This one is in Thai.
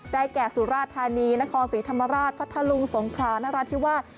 แก่สุราธานีนครศรีธรรมราชพัทธลุงสงครานราธิวาส